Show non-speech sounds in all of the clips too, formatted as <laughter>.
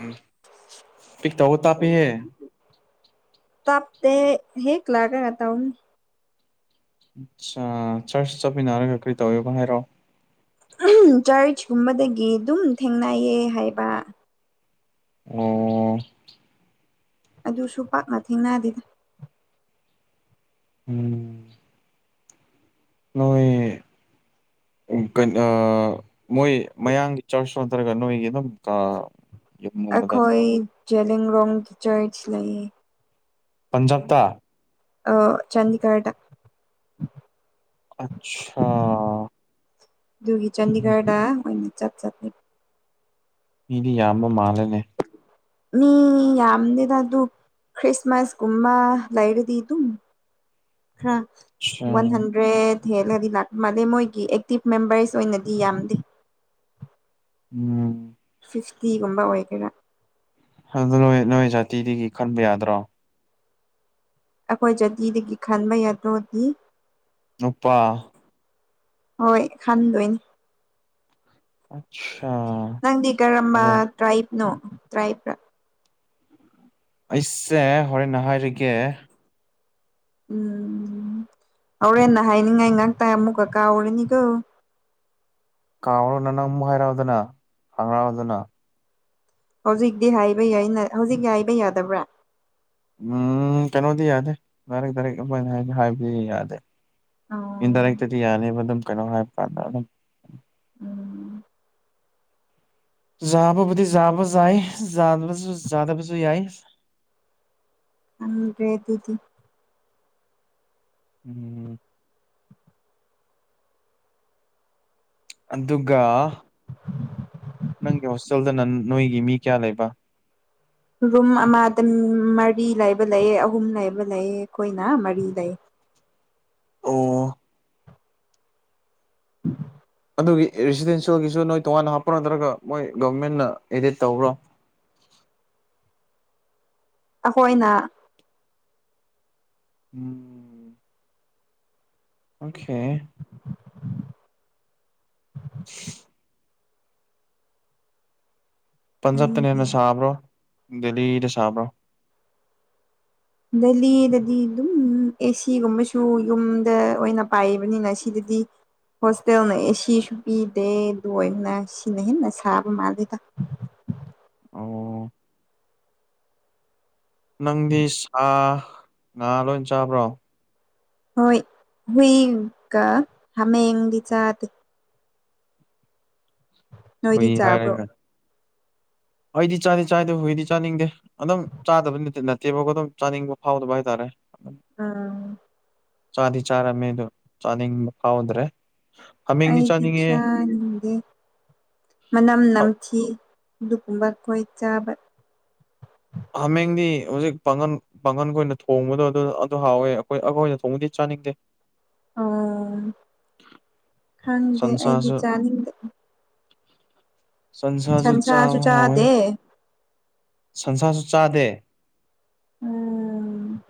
ꯎꯝ ꯄꯤꯛ ꯇꯧꯕ ꯇꯥꯄꯦꯍꯦ ꯇꯥꯞꯇꯦ ꯍ ꯀ ꯂꯒꯦ ꯑ ꯇ ꯑꯆꯥ ꯆꯔꯆ ꯆꯠꯃꯤꯟꯅꯔꯒ ꯀꯔꯤ ꯇꯧꯋꯦꯕ ꯍꯥꯏꯔꯣꯑꯣ ꯆꯔꯆꯀꯨꯝꯕꯗꯒꯤ ꯑꯗꯨꯝ ꯊꯦꯡꯅꯌꯦ ꯍꯥꯏꯕ ꯑꯣ ꯑꯗꯨꯁꯨ ꯄꯥꯛꯅ ꯊꯦꯡꯅꯗꯤꯗ ꯎꯝ ꯅꯣꯏ ꯀꯩꯅ ꯃꯣꯏ ꯃꯌꯥꯡꯒꯤ ꯏ ꯆꯁꯨꯗꯔꯒ ꯅꯣꯏ ꯌꯦ ꯑꯗꯨꯝ ꯀ ꯑꯩꯈꯣꯏ ꯖꯔꯣꯡ ꯆꯔꯆ ꯂꯩ ꯄꯟꯖꯥꯞꯇ ꯑ ꯆꯗꯤꯤꯒꯗ ꯑꯆꯥꯥ ꯑꯗꯨꯒꯤ ꯆꯥꯟꯗꯤꯒꯔꯗ ꯑꯣꯏꯅ ꯆꯠ ꯆꯠꯂꯤ ꯃꯤꯗꯤ ꯌꯥꯝꯕ ꯃꯥꯜꯂꯅꯦ ꯃꯤ ꯌꯥꯝꯗꯦꯗ ꯑꯗꯨꯨ ꯈ꯭ꯔꯤꯁꯃꯁ ꯀꯨꯨꯝꯃ ꯂꯔꯦꯗꯤ ꯇꯨꯡ ꯍꯥ ꯑꯆꯥ ꯋꯥꯟ ꯍꯟꯗ꯭ꯔꯦꯠ ꯍꯦꯜꯂꯗꯤ ꯂꯥꯛꯄ ꯃꯥꯜꯂꯦ ꯃꯣꯏꯒꯤ ꯑꯦꯛꯇꯤꯞ ꯃꯦꯝꯕꯔꯁ ꯑꯣꯏꯅꯗꯤ ꯌꯥꯝꯗꯦ ꯎꯝ ꯐꯤꯐꯇꯤꯒꯨꯝꯕ ꯑꯣꯏꯒꯦꯔꯥ ꯑꯗꯨ ꯅꯣꯏ ꯅꯣꯏ ꯖꯥꯇꯤꯗꯒꯤ ꯈꯟꯕ ꯌꯥꯗ꯭ꯔꯣ ꯑꯩꯈꯣꯏ ꯖꯥꯇꯤꯗꯒꯤ ꯈꯟꯕ ꯌꯥꯗꯧꯗꯤ ꯅꯨꯄꯥ ꯍꯣꯏ ꯈꯟꯗꯣꯏꯅꯤ ꯑꯠꯆꯥ ꯅꯪꯗꯤ ꯀꯔꯝꯕ ꯑꯗꯨ ꯇ꯭ꯔꯥꯏꯞꯅꯣ ꯇ꯭ꯔꯥꯏꯞ ꯑꯩꯁꯦ ꯍꯣꯔꯦꯟꯦꯟ ꯍꯥꯏꯔꯒꯦ ꯎꯝ ꯍꯣꯔꯦꯟꯅ ꯍꯥꯏꯅꯤꯡꯉꯥꯏ ꯉꯥꯛꯇ ꯑꯃꯨꯛꯀ ꯀꯥꯎꯔꯅꯤꯀꯣ ꯀꯥꯎꯔꯣꯅ ꯅꯪ ꯑꯃꯨꯛ ꯍꯥꯏꯔꯛꯑꯣꯗꯅ ꯍꯪꯉꯛꯑꯣꯗꯅ ꯍꯧꯖꯤꯛꯇꯤ ꯍꯥꯏꯕ ꯌꯥꯏ ꯍꯧꯖꯤꯛꯇꯤ ꯍꯥꯏꯕ ꯌꯥꯗꯕ꯭ꯔꯥ ꯎꯝ ꯀꯩꯅꯣꯗꯤ ꯌꯥꯗꯦ ꯂꯔꯤꯛ ꯇꯥꯔꯤꯛ ꯑꯃꯅ ꯍꯥꯏ ꯍꯥꯏꯕꯗꯤ ꯌꯥꯗꯦ ꯑꯣ ꯏꯟꯗꯥꯏꯔꯦꯛꯇꯗꯤ ꯌꯥꯅꯤꯕ ꯑꯗꯨꯝ ꯀꯩꯅꯣ ꯍꯥꯏꯕ ꯀꯥꯟꯗ ꯑꯗꯨꯝ ꯎꯝ ꯌꯥꯥꯕꯕꯨꯗꯤ ꯌꯥꯥꯕ ꯌꯥꯏꯁꯨ ꯌꯥꯥꯗꯕꯁꯨ ꯌꯥꯏ ꯉꯝꯗ꯭ꯔꯦ ꯑꯗꯨꯗꯤ ꯎꯝ ꯑꯗꯨꯒ ꯅꯪ ꯍꯣꯁꯇꯦꯜꯗ ꯅ ꯅꯣꯏꯒꯤ ꯃꯤ ꯀꯌꯥ ꯂꯩꯕ ꯔꯨꯝ ꯑꯃꯗ ꯃꯔꯤ ꯂꯩꯕ ꯂꯩꯌꯦ ꯑꯍꯨꯝ ꯂꯩꯕ ꯂꯩꯌꯦ ꯑꯩꯈꯣꯏꯅ ꯃꯔꯤ ꯂꯩ ꯑꯣ <inaudible> ꯑꯗꯨꯒꯤ ꯔꯤꯁꯤꯗꯦꯟꯁꯤꯌꯦꯜꯒꯤꯁꯨ ꯅꯣꯏ ꯇꯣꯉꯥꯟꯅ ꯍꯥꯞꯄ ꯅꯠꯇ꯭ꯔꯒ ꯃꯣꯏ ꯒꫭꯕꯔꯃꯦꯟꯅ ꯑꯦꯗꯤꯠ ꯇꯧꯕ꯭ꯔꯣ ꯑꯩꯈꯣꯏꯅ ꯎꯝ ꯑꯣꯀꯦ <unintelligible> ꯄꯟꯖꯥꯕꯇꯅ ꯍꯦꯟꯅ ꯁꯥꯕ꯭ꯔꯣ ꯗꯦꯜꯂꯤꯗ ꯁꯥꯕ꯭ꯔꯣ ꯗꯦꯜꯂꯤꯗꯗꯤ ꯑꯗꯨꯝ ꯑꯦꯁꯤꯒꯨꯝꯕꯁꯨ ꯌꯨꯝꯗ ꯑꯣꯏꯅ ꯄꯥꯏꯕꯅꯤꯅ ꯁꯤꯗꯗꯤ ꯍꯣꯁꯇꯦꯜꯅ ꯑꯦꯁꯤꯁꯨ ꯄꯤꯗꯦ ꯑꯗꯨꯅ ꯁꯤꯅ ꯍꯦꯟꯅ ꯁꯥꯕ ꯃꯥꯜꯂꯤꯗ ꯑꯣ ꯅꯪꯗꯤ ꯁꯥ ꯉꯥ ꯂꯣꯏ ꯆꯥꯕ꯭ꯔꯣ ꯍꯣꯏ ꯍꯨꯏꯒ ꯍꯥꯃꯦꯡꯗꯤ ꯆꯥꯗꯦ ꯅꯣꯏꯗꯤ ꯍꯨꯏ ꯆꯥꯕ꯭ꯔꯣ ꯍꯥꯏꯔꯦꯅ ꯑꯩꯗꯤ ꯆꯥꯗꯤ ꯆꯥꯏ ꯗꫭ ꯍꯨꯏꯗꯤ ꯆꯥꯅꯤꯡꯗꯦ ꯑꯗꯨꯝ ꯆꯥꯗꯕꯠꯇꯦ ꯅꯠꯇꯦꯕ ꯑꯗꯨꯝ ꯆꯥꯅꯤꯡꯕ ꯐꯥꯎꯗꯕ ꯍꯥꯏꯇꯥꯔꯦ ꯎꯝ ꯆꯥꯗꯤ ꯆꯥꯔꯝꯃꯤ ꯗꯨ ꯆꯥꯅꯤꯡꯕ ꯐꯥꯎꯗ꯭ꯔꯦ ꯍꯥꯃꯦꯡꯗꯤ ꯑꯩꯗꯤ ꯆꯥꯅꯤꯡꯉꯦ ꯆꯥꯅꯤꯡꯗꯦ ꯃꯅꯝ ꯍ ꯅꯝꯊꯤ ꯑꯗꯨꯒꯨꯝꯕ ꯑꯩꯈꯣꯏ ꯆꯥꯕ ꯍꯥꯃꯦꯡꯗꯤ ꯍꯧꯖꯤꯛ ꯄꯥꯡꯒꯟ ꯄꯥꯡꯒꯟꯈ ꯑꯣꯏꯅ ꯊꯣꯡꯕꯗꯣ ꯑꯗꯨ ꯑꯗꯨ ꯍꯥꯎꯋꯦ ꯑꯩꯈꯣꯏ ꯑꯩꯒꯣꯏ ꯑꯣꯏꯅ ꯊꯣꯡꯕꯗꯤ ꯆꯥꯅꯤꯡꯗꯦ ꯑꯣ ꯈꯪꯗꯦ ꯑꯩꯗꯤ ꯁꯟꯁꯥꯁꯨ ꯆꯥꯅꯤꯡꯗꯦ ꯁꯟꯁꯥꯁꯨ ꯁꯟꯁꯥ ꯁꯨ ꯆꯥꯕ ꯍꯥꯎꯋꯦ ꯆꯥꯗꯦ ꯁꯟꯁꯥꯁꯨ ꯆꯥꯗꯦ ꯎꯝ <inaudible>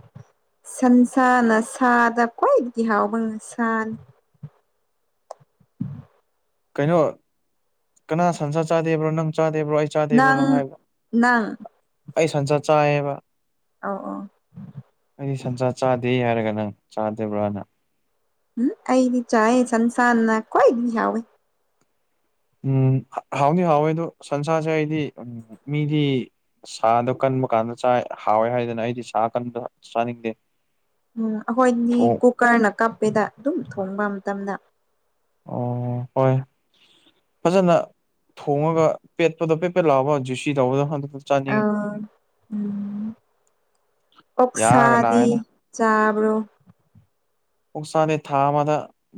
ꯁꯟꯁꯥꯅ ꯁꯥꯗ ꯈ꯭ꯋꯥꯏꯗꯒꯤ ꯍꯥꯎꯕꯅ ꯁꯥꯅꯤ ꯀꯩꯅꯣ ꯀꯅꯥ ꯁꯟꯁꯥ ꯆꯥꯗꯦꯕ꯭ꯔꯣ ꯅꯪ ꯆꯥꯗꯦꯕ꯭ꯔꯣ ꯑꯩ ꯆꯥꯗꯦꯕꯅꯣ ꯅꯪ ꯍꯥꯏꯕ ꯅꯪ ꯑꯩ ꯁꯟꯆꯠ ꯆꯥꯏꯌꯦꯕ ꯑꯥꯎ ꯑꯧ ꯑꯩꯗꯤ ꯁꯟꯁꯥ ꯆꯥꯗꯦ ꯍꯥꯏꯔꯒ ꯅꯪ ꯆꯥꯗꯕ꯭ꯔꯥꯅ ꯎꯝ ꯑꯩꯗꯤ ꯆꯥꯏꯦ ꯁꯟꯁꯥꯅ ꯈ꯭ꯋꯥꯏꯗꯤ ꯌꯥꯎꯋꯦ ꯎꯝ ꯍꯥꯎꯗꯤ ꯍꯥꯎꯋꯦ ꯑꯗꯣ ꯁꯟꯁꯥꯔꯁꯦ ꯑꯩꯗꯤ ꯎꯝ ꯃꯤꯗꯤ ꯁꯥꯗꯣ ꯀꯟꯕ ꯀꯥꯟꯗ ꯆ ꯍꯥꯎꯋꯦ ꯍꯥꯏꯗꯅ ꯑꯩꯗꯤ ꯁꯥ ꯀꯟꯕꯣ ꯆꯥꯅꯤꯡꯗꯦ ꯎꯝ ꯑꯩꯈꯣꯏꯅꯤ ꯊꯣꯡ ꯀꯨꯀꯔꯅ ꯀꯞꯄꯦꯗ ꯑꯗꯨꯝ ꯊꯣꯡꯕ ꯃꯇꯝꯗ ꯑꯣ ꯍꯣꯏ ꯐꯖꯅ ꯊꯣꯡꯉꯒ ꯄꯦꯠꯄꯗꯣ ꯄꯦꯠꯄꯦꯠꯂꯥꯛꯑꯒ ꯖꯨꯁꯤ ꯇꯧꯕꯗꫭ ꯑꯍꯗꯨꯗꫭ ꯑ ꯎꯝ ꯌꯥꯒ ꯑꯣꯛꯁꯥꯗꯤ ꯅꯥꯏꯗ ꯆꯥꯕ꯭ꯔꯣ ꯑꯣꯛꯁꯥꯅꯦ ꯊꯥ ꯑꯃꯗ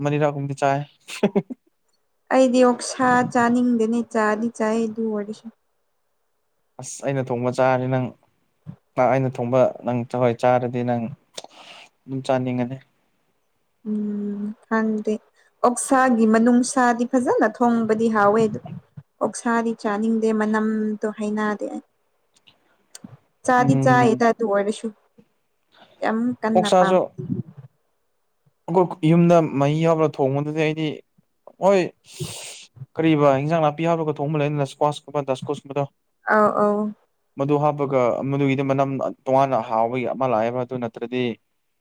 ꯃꯅꯤꯔꯛꯒꯨꯝꯕꯗꯤ ꯆꯥꯏ ꯑꯩꯗꯤ ꯑꯣꯛꯁꯥ ꯆꯥꯅꯤꯡꯗꯦꯅꯦ ꯆꯥꯗꯤ ꯆꯥꯏ ꯑꯗꯨ ꯑꯣꯏꯔꯁꯨ ꯑꯁ ꯑꯩꯅ ꯊꯣꯡꯕ ꯆꯥꯔꯗꯤ ꯅꯪ ꯅꯥꯛ ꯑꯩꯅ ꯊꯣꯡꯕ ꯅꯪ ꯍꯣꯏ ꯆꯥꯔꯗꯤ ꯅꯪ ꯑꯗꯨꯝ ꯆꯥꯅꯤꯡꯉꯅꯤ ꯎꯝ ꯈꯪꯗꯦ ꯑꯣꯛꯁꯥꯒꯤ ꯃꯅꯨꯡꯅꯨꯡꯁꯥꯗꯤ ꯐꯖꯅ ꯊꯣꯡꯕꯗꯤ ꯍꯥꯎꯋꯦ ꯑꯗꯨ ꯑꯣꯛꯁꯥꯗꯤ ꯆꯥꯅꯤꯡꯗꯦ ꯃꯅꯝꯗꯣ ꯍꯩꯅꯗꯦ ꯑꯩ꯫ <unintelligible> ꯆꯥꯗꯤ ꯆꯥꯏ ꯎꯝ ꯑꯗꯨ ꯑꯣꯏꯔꯁꯨ ꯌꯥꯝ ꯀꯟꯅ ꯑꯣꯛꯁꯥꯁꯨ ꯄꯥꯝꯗꯦ꯫ <unintelligible> ꯌꯨꯝꯗ ꯃꯍꯤ ꯍꯥꯞꯔ ꯊꯣꯡꯕꯗꯨꯗꯤ ꯑꯩꯗꯤ ꯍꯣꯏ ꯀꯔꯤꯕ ꯏꯟꯖꯥꯡ ꯅꯥꯄꯤ ꯍꯥꯞꯔꯒ ꯊꯣꯡꯕ ꯂꯩꯗꯅ ꯏꯁꯀ꯭ꯋꯥꯁꯀꯨꯝꯕ ꯗꯥꯁꯀꯨꯁ ꯀꯨꯝꯕꯗꯣ ꯑꯧ ꯑꯧ ꯃꯗꯨ ꯍꯥꯞꯄꯒ ꯃꯗꯨꯒꯤꯗꯤ ꯃꯅꯝ ꯇꯣꯉꯥꯟꯅ ꯍꯥꯎꯕꯒꯤ ꯑꯃ ꯂꯥꯛꯑꯦꯕ ꯑꯗꯨ ꯅꯠꯇ꯭ꯔꯗꯤ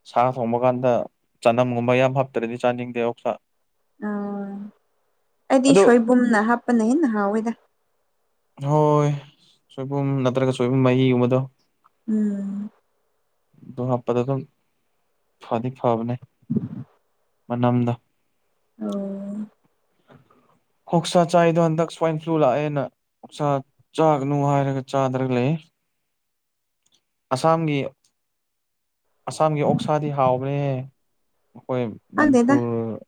ꯁꯥ ꯊꯣꯡꯕ ꯀꯥꯟꯗ ꯆꯅꯝꯒꯨꯝꯕ ꯌꯥꯝ ꯍꯥꯞꯇ꯭ꯔꯗꯤ ꯆꯥꯅꯤꯡꯗꯦ ꯑꯣꯛꯁꯥ꯫ ꯎ ꯑꯩꯗꯤ ꯑꯗꯨ ꯁꯣꯏꯕꯨꯝꯅ ꯍꯥꯞꯄꯅ ꯍꯦꯟꯅ ꯍꯥꯎꯏꯗ꯫ ꯍꯣꯏ ꯁꯣꯏꯕꯨꯝ ꯅꯠꯇ꯭ꯔꯒ ꯁꯣꯏꯕꯨꯝ ꯃꯍꯤꯒꯨꯝꯕꯗꯣ ꯎꯝ ꯗꯣ ꯍꯥꯞꯄꯗꯣꯀꯣ ꯐꯗꯤ ꯐꯕꯅꯦ꯫ <unintelligible> ꯃꯅꯝꯗ <unintelligible> ꯍꯣꯛꯁꯥ ꯆꯥꯏꯗꯣ ꯍꯟꯗꯛ ꯁ꯭ꯋꯥꯏꯟ ꯐ꯭ꯂꯨ ꯂꯥꯛꯑꯦꯅ ꯁꯥꯥ ꯆꯥꯛꯅꯨ ꯍꯥꯏꯔꯒ ꯆꯥꯗ꯭ꯔꯒ ꯂꯩ ꯑꯁꯥꯝꯒꯤ ꯑꯁꯥꯝꯒꯤ ꯑꯣꯛꯁꯥꯗꯤ ꯍꯥꯎꯕꯅꯦ ꯃꯈꯣꯏ ꯈꯪꯗꯦꯗ ꯃꯅꯤꯄꯨꯔ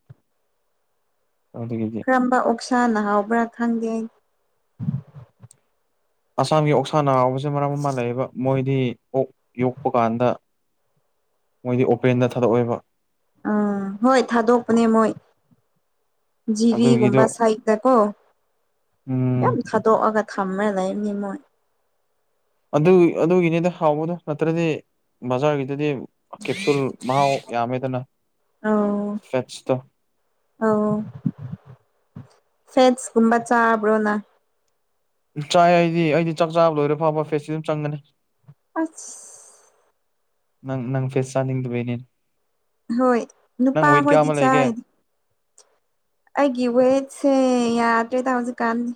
ꯑꯗꯨꯒꯤꯗꯤ ꯀꯔꯝꯕ ꯑꯣꯛꯁꯥ ꯅ ꯍꯥꯎꯕ꯭ꯔꯥ ꯈꯪꯗꯦ꯫ ꯑꯁꯥꯝꯒꯤ ꯑꯣꯛꯁꯥꯅ ꯍꯥꯎꯕꯁꯦ ꯃꯔꯝ ꯑꯃ ꯂꯩꯌꯦꯕ ꯃꯣꯏꯗꯤ ꯑꯣꯛ ꯌꯣꯛꯄ ꯀꯥꯟꯗ ꯃꯣꯏꯗꯤ ꯑꯣꯄꯦꯟꯗ ꯊꯥꯗꯣꯛꯑꯦꯕ꯫ ꯎꯝ ꯍꯣꯏ ꯊꯥꯗꯣꯛꯄꯅꯦ ꯃꯣꯏ꯫ ꯖꯤꯔꯤꯒꯨꯝꯕ ꯑꯗꯨꯒꯤꯗꯣ ꯁꯥꯏꯇꯗꯀꯣ ꯎꯝ ꯌꯥꯝ ꯊꯥꯗꯣꯛꯑꯒ ꯊꯝꯃ ꯂꯩꯃꯅꯤ ꯃꯣꯏ꯫ ꯑꯗꯨ ꯑꯗꯨꯒꯤꯅꯤꯗ ꯍꯥꯎꯕꯗꯣ ꯅꯠꯇ꯭ꯔꯗꯤ ꯕꯖꯥꯔꯒꯤꯗꯨꯗꯤ ꯀꯦꯞꯁꯨꯜ ꯃꯍꯥꯎ ꯌꯥꯝꯃꯦꯗꯅ ꯑꯧ ꯐꯦꯠꯁꯇꯣ꯫ ꯑꯧ ꯐꯦꯠꯁꯀꯨꯝꯕ ꯆꯥꯕ꯭ꯔꯣ ꯅꯪ? ꯆꯥꯏ ꯑꯩꯗꯤ ꯑꯩꯗꯤ ꯆꯥꯛ ꯆꯥꯕ ꯂꯣꯏꯔ ꯐꯥꯎꯕ ꯐꯦꯠꯁꯇꯤ ꯑꯗꯨꯝ ꯆꯪꯒꯅꯤ꯫ ꯑꯁ! ꯅꯪ ꯅꯪ ꯐꯦꯠꯁ ꯆꯥꯅꯤꯡꯗꯕꯩꯅꯤ꯫ ꯍꯣꯏ ꯅꯪ ꯅꯨꯄꯥ ꯋꯦꯠ ꯀꯌꯥ ꯍꯣꯏꯗꯤ ꯑꯃ ꯂꯩꯒꯦ ꯆꯥꯏ꯫ ꯑꯩꯒꯤ ꯋꯦꯠꯁꯦ ꯌꯥꯗ꯭ꯔꯦꯗ ꯍꯧꯖꯤꯛꯀꯥꯟꯗꯤ꯫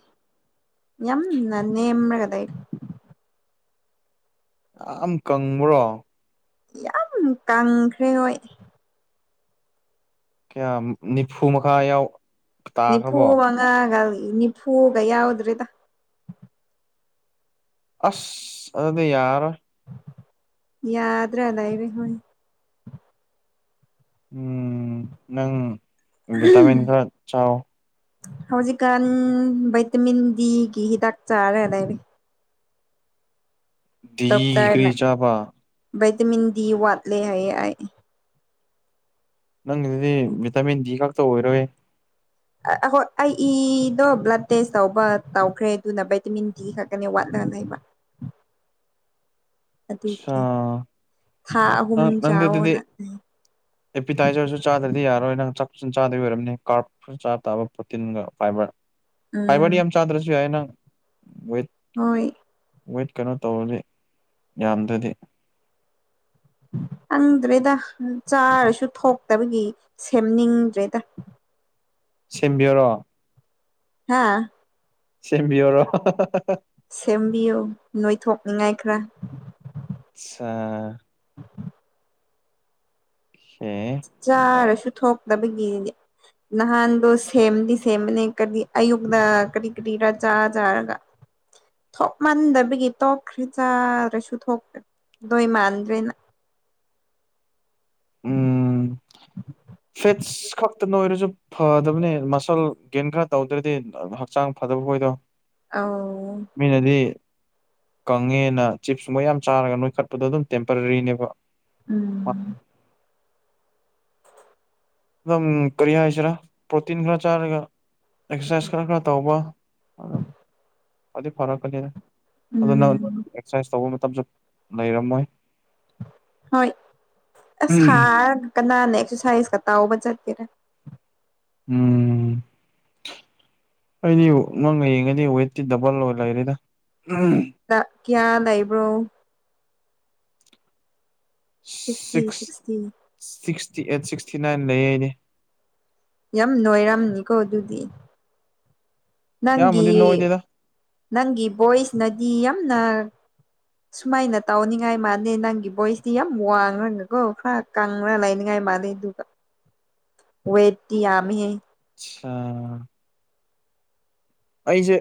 ꯌꯥꯝꯅ ꯅꯦꯝꯔꯒ ꯂꯩ꯫ ꯌꯥꯝ ꯀꯪꯕ꯭ꯔꯣ? ꯌꯥꯝ ꯀꯪꯈ꯭ꯔꯦ ꯍꯣꯏ꯫ ꯀꯌꯥꯝ ꯅꯤꯐꯨ ꯃꯈꯥ ꯌꯧ ꯅꯤꯐꯨ ꯃꯉꯥꯒ ꯅꯤꯐꯨꯒ ꯌꯥꯎꯗ꯭ꯔꯦꯗ꯫ ꯑꯁ! ꯑꯗꯨꯗꯤ ꯌꯥꯔꯔꯣꯏ꯫ ꯌꯥꯗ꯭ꯔꯦ ꯂꯩꯔꯤ ꯍꯣꯏ꯫ ꯎꯝ ꯅꯪ ꯚꯤꯇꯥꯃꯤꯟ ꯈꯔ ꯆꯥꯎ꯫ ꯍꯧꯖꯤꯛꯀꯥꯟ ꯚꯥꯏꯇꯃꯤꯟ ꯗꯤꯒꯤ ꯍꯤꯗꯥꯛ ꯆꯥꯔ ꯂꯩꯕ ꯗꯤ ꯀꯔꯤ ꯗꯣꯛꯇꯔꯅ ꯆꯥꯕ ꯚꯥꯏꯇꯃꯤꯟ ꯗꯤ ꯋꯥꯠꯂꯦ ꯍꯥꯏꯌꯦ ꯑꯩ꯫ ꯅꯪꯒꯤꯗꯨꯗꯤ ꯚꯤꯇꯥꯃꯤꯟ ꯗꯤ ꯈꯛꯇ ꯑꯣꯏꯔꯣꯏ꯫ ꯑꯈꯣꯏ ꯑꯩ ꯏꯗꯣ ꯕ꯭ꯂꯠ ꯇꯦꯁ ꯇꯧꯕ ꯇꯧꯈ꯭ꯔꯦ ꯑꯗꯨꯅ ꯚꯥꯏꯇꯃꯤꯟ ꯗꯤ ꯈꯛꯇꯅꯤ ꯋꯥꯠꯂꯒ ꯂꯩꯕ꯫ ꯑꯗꯨꯒꯤ ꯑꯆꯥꯥ ꯊꯥ ꯑ ꯑꯍꯨꯝ ꯅꯪꯗꯤ ꯑꯗꯨꯗꯤ ꯆꯥꯑꯣꯅ ꯑꯦꯄꯤꯇꯥꯏꯖꯔꯁꯨ ꯆꯥꯗ꯭ꯔꯗꯤ ꯌꯥꯔꯣꯏ ꯅꯪ ꯆꯥꯛ ꯐꯖꯅ ꯆꯥꯗꯕꯩ ꯑꯣꯏꯔꯝꯅꯤ ꯀꯥꯔꯠ ꯐꯠ ꯆꯥꯕ ꯇꯥꯕ ꯄ꯭ꯔꯣꯇꯤꯟꯒ ꯐꯥꯏꯕꯔ ꯎꯝ ꯐꯥꯏꯕꯔꯗꯤ ꯌꯥꯝ ꯆꯥꯗ꯭ꯔꯁꯨ ꯌꯥꯏ ꯅꯪ ꯋꯦꯠ ꯍꯣꯏ ꯋꯦꯠ ꯀꯩꯅꯣ ꯇꯧꯔꯗꯤ ꯌꯥꯝꯗ꯭ꯔꯗꯤ ꯈꯪꯗ꯭ꯔꯦꯗ ꯆꯥꯔꯁꯨ ꯊꯣꯛꯇꯕꯒꯤ ꯁꯦꯝꯅꯤꯡꯗ꯭ꯔꯦꯗ ꯁꯦꯝꯕꯤꯑꯣꯔꯣ ꯍꯥꯥ ꯁꯦꯝꯕꯤꯑꯣꯔꯣ ꯍꯥ ꯍꯥ ꯍꯥ ꯍꯥ ꯍꯥ ꯁꯦꯝꯕꯤꯑꯣ ꯅꯣꯏꯊꯣꯛꯅꯤꯉꯥꯏ ꯈꯔ ꯁꯥ ꯍꯦ ꯆꯥꯔꯁꯨ ꯊꯣꯛꯇꯕꯒꯤ ꯅꯍꯥꯟꯗꯣ ꯁꯦꯝꯗꯤ ꯁꯦꯝꯕꯅꯦ ꯀꯔꯤ ꯑꯌꯨꯛꯗ ꯀꯔꯤ ꯀꯔꯤꯔ ꯆꯥ ꯆꯥꯔꯒ <unintelligible> ꯊꯣꯛ ꯃꯥꯟꯗꯕꯒꯤ ꯇꯣꯛꯈ꯭ꯔꯦ ꯆꯥꯔꯥꯁꯨ ꯊꯣꯛꯇ ꯗꯣꯏ ꯃꯥꯟꯗ꯭ꯔꯦꯅ ꯎꯝ ꯐꯦꯠꯁ ꯈꯛꯇ ꯅꯣꯏꯔꯁꯨ ꯐꯗꯕꯅꯦ ꯃꯁꯜ ꯒꯦꯟ ꯈꯔ ꯇꯧꯗ꯭ꯔꯗꯤ ꯍꯛꯆꯥꯡ ꯐꯗꯕ ꯍꯣꯏꯗꯣ ꯑꯣ ꯃꯤꯅꯗꯤ ꯀꯪꯉꯦꯅ ꯆꯤꯞ ꯌꯥꯝ ꯆꯥꯔꯒ ꯅꯣꯏꯈꯠꯄꯗꯣ ꯑꯗꯨꯝ ꯇꯦꯝꯄꯔꯔꯤꯅꯦꯕ ꯎꯝ ꯑꯥ ꯅꯪ ꯀꯔꯤ ꯍꯥꯏꯁꯤꯔꯥ ꯄ꯭ꯔꯣꯇꯤꯟ ꯈꯔ ꯆꯥꯔꯒ ꯑꯦꯛꯁꯔꯁꯥꯏꯁ ꯈꯔ ꯈꯔ ꯇꯧꯕ ꯑ ꯐꯗꯤ ꯐꯔꯛꯀꯅꯤꯗ ꯑꯗꯨ ꯅꯪ ꯅ ꯎꯝ ꯑꯦꯛꯁꯔꯁꯥꯏꯁ ꯇꯧꯕ ꯃꯇꯝꯁꯨ ꯂꯩꯔꯝꯃꯣꯏ ꯍꯣꯏ ꯑꯁ ꯁꯥꯔꯒ ꯀꯅꯥꯅ ꯑꯦꯛꯁꯔꯁꯥꯏꯁꯀ ꯇꯥꯎꯕ ꯆꯠꯇꯦꯗ ꯎꯝ ꯑꯩꯗꯤ ꯅꯪ ꯌꯦꯡꯉꯗꯤ ꯋꯦꯠꯇꯤ ꯗꯕꯜꯂꯣ ꯂꯩꯔꯦꯗ ꯎꯝ ꯀꯌꯥ ꯂꯩꯕ꯭ꯔꯣ fifty six sixty sixty eight sixty nine ꯂꯩꯌꯦ ꯑꯩꯗꯤ ꯌꯥꯝ ꯂꯣꯏꯔꯝꯅꯤꯀꯣ ꯑꯗꯨꯗꯤ ꯅꯪꯒꯤ ꯌꯥꯝꯕꯨꯗꯤ ꯅꯣꯏꯗꯦꯗ ꯅꯪꯒꯤ ꯕꯣꯏꯁꯅꯗꯤ ꯌꯥꯝꯅ ꯁꯨꯃꯥꯏꯅ ꯇꯧꯅꯤꯡꯉꯥꯏ ꯃꯥꯅꯦ ꯅꯪꯒꯤ ꯚꯣꯏꯁꯇꯤ ꯌꯥꯝ ꯋꯥꯡꫪꯒꯀꯣ ꯈꯔ ꯀꯪꯅ ꯂ ꯂꯩꯅꯤꯡ ꯉꯥꯏ ꯃꯥꯂꯦ ꯑꯗꯨꯒ <inaudible> ꯋꯦꯠꯇꯤ ꯌꯥꯝꯃꯤ ꯑꯁꯥ ꯑꯩꯁꯦ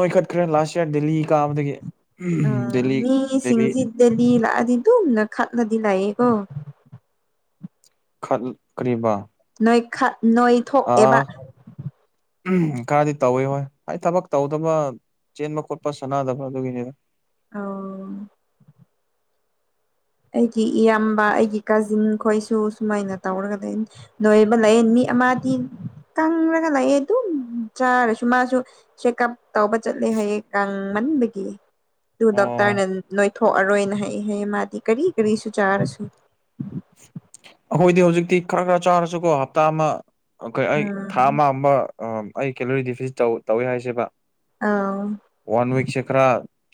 ꯅꯣꯏꯈꯠꯈ꯭ꯔꯦ ꯂꯥꯁ ꯏꯌꯥꯔ ꯗꯦꯜꯂꯤ ꯀꯥꯕꯗꯒꯤ ꯎꯝ ꯗꯦꯜꯂꯤ ꯗꯦꯜꯂꯤ ꯃꯤꯁꯤꯡꯁꯤ ꯗꯦꯂꯤ ꯂꯥꯛꯑꯗꯤ ꯇꯨꯝ ꯅꯣꯏꯈꯠꯂꯗꯤ ꯂꯩꯑꯦꯀꯣ ꯈꯠ ꯈ꯭ꯔꯤꯕ ꯅꯣꯏ ꯈꯠ ꯅꯣꯏ ꯑꯥ ꯎꯝ ꯈꯔꯗꯤ ꯇꯧꯋꯤ ꯍꯣꯏ ꯑꯩ ꯊꯕꯛ ꯇꯧꯗꯕ ꯆꯦꯟꯕ ꯈꯣꯠꯄ ꯁꯥꯟꯅꯗꯕ ꯑꯗꯨꯒꯤꯅꯤꯗ ꯑꯧ ꯑꯩꯒꯤ ꯏꯌꯥꯝꯕ ꯑꯩꯒꯤ ꯀꯥꯖꯤꯟ ꯈꯣꯏꯁꯨ ꯁꯨꯃꯥꯏꯅ ꯇꯧꯔꯒ ꯅꯩꯕꯅꯤ ꯅꯣꯏꯕ ꯂꯩꯑꯦ ꯃꯤ ꯑꯃꯗꯤ ꯀꯪꯔꯒ ꯂꯥꯛꯑꯦ ꯑꯗꯨꯝ ꯆꯥꯔꯁꯨ ꯃꯥꯁꯨ ꯆꯦꯛꯑꯞ ꯇꯧꯕ ꯆꯠꯂꯦ ꯍꯥꯏꯌꯦ ꯀꯪꯃꯟꯕꯒꯤ ꯑꯗꯨ ꯑꯣ ꯗꯣꯛꯇꯔꯅ ꯅꯣꯏ ꯊꯣꯛꯑꯔꯣꯏꯅ ꯍꯥꯏꯌꯦ ꯍꯥꯏꯌꯦ ꯃꯥꯗꯤ ꯀꯔꯤ ꯀꯔꯤꯁꯨ ꯆꯥꯔꯁꯨ ꯑꯩꯈꯣꯏꯗꯤ ꯍꯧꯖꯤꯛꯇꯤ ꯈꯔ ꯈꯔ ꯆꯥꯔꯁꯨꯀꯣ ꯍꯞꯇꯥ ꯑꯃ ꯀ ꯎꯝ ꯊꯥ ꯑꯃ ꯑꯃ ꯑꯩ ꯀꯦꯂꯣꯔꯤ ꯗꯤ ꯐꯤꯖ ꯇꯧ ꯇꯧꯏꯦ ꯍꯥꯏꯁꯦꯕ ꯑꯧ ꯋꯥꯟ ꯋꯤꯛꯁꯦ ꯈꯔ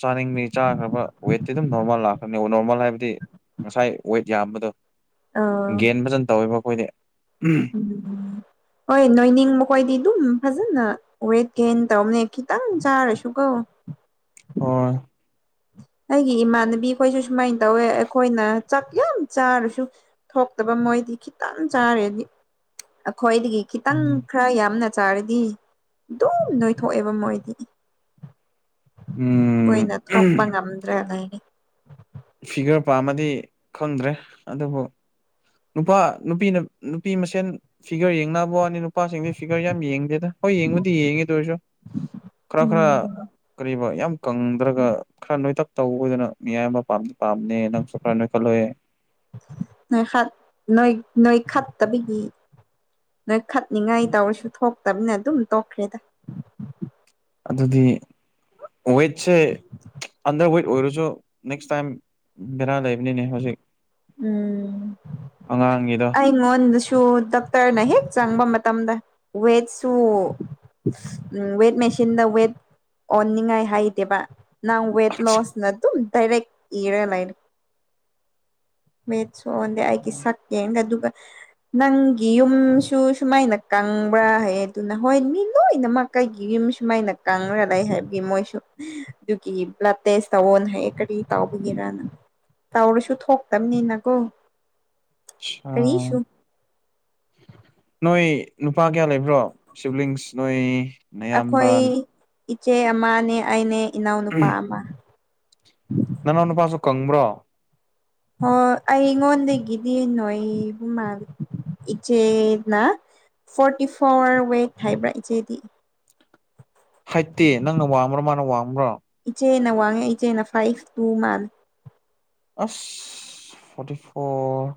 ꯆꯥꯅꯤꯡꯅꯤ ꯆꯥꯈ꯭ꯔꯕ ꯋꯦꯠꯇꯤ ꯑꯗꯨꯝ ꯅꯣꯔꯃꯦꯜ ꯂꯥꯛꯈ꯭ꯔꯅꯤ ꯅꯣꯔꯃꯦꯜ ꯍꯥꯏꯕꯗꯤ ꯉꯁꯥꯏ ꯋꯦꯠ ꯌꯥꯝꯕꯗꯣ ꯑꯥꯎ ꯒꯦꯟ ꯐꯖꯅ ꯇꯧꯋꯤ ꯃꯈꯣꯏꯗꯤ ꯎꯝ ꯍꯣꯏ ꯅꯣꯏꯅꯤꯡ ꯃꯈꯣꯏꯗꯤ ꯑꯗꯨꯝ ꯐꯖꯅ ꯋꯠ ꯦꯟ ꯇꯧ ꯑ ꯀꯈꯤ ꯇ ꯆꯥꯔꯦꯁꯨꯨ ꯀꯧ ꯑꯣ ꯑꯩꯒꯤ ꯏꯃꯥꯟꯅꯕꯤꯈꯣꯏꯁꯨ ꯁꯨꯃꯥꯏꯅ ꯇꯧꯋꯦ ꯑꯩꯈꯣꯏꯅ ꯆꯥꯛ ꯌꯥꯝ ꯆꯥꯔꯁꯨ ꯊꯣꯛꯇꯕ ꯃꯣꯏꯗꯤ ꯈꯤꯇꯪ ꯆꯥꯔꯦꯗꯤ ꯑꯩꯈꯣꯏꯗꯒꯤ ꯈꯤꯇꯪ ꯎꯝ ꯈꯔ ꯌꯥꯝꯅ ꯆꯥꯔꯗꯤ ꯑꯗꯨꯝ ꯅꯣꯏꯊꯣꯛꯑꯦꯕ ꯃꯣꯏꯗꯤ ꯎꯝ ꯑꯣꯏꯅ ꯊꯣꯛꯄ ꯉꯝꯗ꯭ꯔꯦꯅ ꯐꯤꯒꯔ ꯄꯥꯝꯃꯗꯤ ꯈꯪꯗ꯭ꯔꯦ ꯑꯗꯨꯕꯨ ꯅꯨꯄꯥ ꯅꯨꯄꯤꯅ ꯅꯨꯄꯤ ꯃꯁꯦꯟ ꯐꯤꯒꯔ ꯌꯦꯡꯅꯕ ꯋꯥꯅꯤ ꯅꯨꯄꯥꯁꯤꯡꯗꯤ ꯐꯤꯒꯔ ꯌꯥꯝ ꯌꯦꯡꯗꯦꯗ ꯍꯣꯏ ꯌꯦꯡꯕꯨꯗꯤ ꯌꯦꯡꯉꯦꯗ ꯑꯣꯏꯔꯁꯨ ꯈꯔ ꯈꯔ ꯎꯝ ꯀꯔꯤꯕ ꯌꯥꯝ ꯀꯪꯗ꯭ꯔꯒ ꯈꯔ ꯅꯣꯏꯇꯛ ꯇꯧꯕꯗꯨꯅ ꯃꯤꯌꯥꯝꯅ ꯄꯥꯝꯕꯅꯦ ꯅꯪꯁꯨ ꯈꯔ ꯅꯣꯏꯈꯠꯂꯨꯍꯦ ꯅꯣꯏꯈꯠ ꯅꯣꯏꯈꯠꯇꯕꯒꯤ ꯅꯣꯏꯈꯠꯅꯤꯉꯥꯏ ꯇꯧꯔꯁꯨ ꯊꯣꯛꯇꯕꯅꯦ ꯑꯗꯨꯝ ꯇꯣꯛꯈ꯭ꯔꯦꯗ ꯑꯗꯨꯗꯤ ꯋꯦꯠꯁꯦ ꯑꯟꯗ꯭ꯔ ꯋꯦꯠ ꯑꯣꯏꯔꯁꯨ ꯅꯦꯛꯁ ꯇꯥꯏꯝ ꯕꯦꯔꯥ ꯂꯩꯕꯅꯤꯅꯦ ꯍꯧꯖꯤꯛ ꯎꯝ ꯑꯉꯥꯡꯒꯤꯗꯣ ꯑꯩꯉꯣꯟꯗꯁꯨ ꯗꯣꯛꯇꯔꯅ ꯍꯦꯛ ꯆꯪꯕ ꯃꯇꯝꯗ ꯋꯦꯠꯁꯨ ꯎꯝ ꯋꯦꯠ ꯃꯦꯆꯤꯟꯗ ꯋꯦꯠ ꯑꯣꯟꯅꯤꯡꯉꯥꯏ ꯍꯥꯏꯗꯦꯕ ꯅꯪ ꯋꯦꯠ ꯂꯣ꯭ꯁꯅ ꯑꯗꯨꯝ ꯗꯥꯏꯔꯦꯛ ꯏꯔꯒ ꯂꯩꯅꯤ ꯋꯦꯠꯁꯨ ꯑꯣꯟꯗꯦ ꯑꯩꯒꯤ ꯁꯛꯌꯦꯡꯉꯦ ꯑꯗꯨꯒ ꯅꯪꯒꯤ ꯌꯨꯝꯁꯨ ꯁꯨꯃꯥꯏꯅ ꯀꯪꯕ꯭ꯔꯥ ꯍꯥꯏ ꯑꯗꯨꯅ ꯍꯣꯏ ꯃꯤ ꯂꯣꯏꯅꯃꯛ ꯀꯩꯒꯤ ꯌꯨꯝ ꯁꯨꯃꯥꯏꯅ ꯀꯪꯔꯒ ꯂꯩ ꯍꯥꯏꯕꯒꯤ ꯃꯣꯏꯁꯨ ꯑꯗꯨꯒꯤ ꯕ꯭ꯂꯠ ꯇꯦꯁ ꯇꯧꯑꯣꯅ ꯍꯥꯏꯌꯦ ꯀꯔꯤ ꯇꯧꯕꯒꯤꯔꯅ ꯇꯧꯔꯁꯨ ꯊꯣꯛ ꯇꯝꯅꯤꯅ ꯀꯣ ꯑꯥ ꯅꯣꯏ ꯅꯨꯄꯥ ꯀꯌꯥ ꯂꯩꯕ꯭ꯔꯣ ꯁꯤꯕ꯭ꯂꯤꯡꯁ ꯅꯣꯏ ꯅꯌꯥꯝꯕ ꯑꯩꯈꯣꯏ ꯏꯆꯦ ꯑꯃꯅꯦ ꯑꯩꯅꯦ ꯏꯅꯥꯎꯅꯨꯄꯥ ꯑꯃ ꯅꯅꯥꯎ ꯅꯨꯄꯥꯁꯨ ꯀꯪꯕ꯭ꯔꯣ ꯍꯣꯏ ꯑꯩ ꯑꯩꯉꯣꯟꯗꯒꯤꯗꯤ ꯅꯣꯏꯕ ꯃꯜꯂꯤ ꯏꯆꯦꯅ ꯐꯣꯔꯇꯤ ꯐꯣꯔ ꯋꯦꯠ ꯍꯥꯏꯕ꯭ꯔꯥ ꯏꯆꯦꯗꯤ ꯍꯥꯏꯇꯤ ꯅꯪꯅ ꯋꯥꯡꯕ꯭ꯔꯣ ꯃꯥꯅ ꯋꯥꯡꯕ꯭ꯔꯣ ꯏꯆꯦꯅ ꯋꯥꯡꯉꯤ ꯏꯆꯦꯅ ꯐꯥꯏꯚ ꯇꯨ ꯃꯥꯟ ꯑ꯭ꯁ ꯐꯣꯔꯇꯤ ꯐꯣ꯭ꯔ